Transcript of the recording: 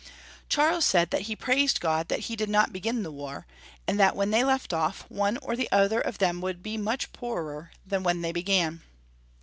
Charles said that he praised God that he did not begin the war, and that when they left off, one or other of them would be much poorer than when they began.